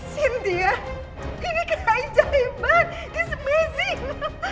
sintia ini kerajaan it's amazing